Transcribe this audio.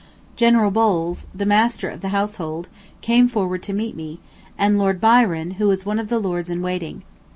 General Bowles, the Master of the Household, came forward to meet me, and Lord Byron, who is one of the Lords in Waiting.